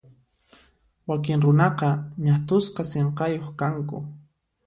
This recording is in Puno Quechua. Wakin runaqa ñat'usqa sinqayuq kanku.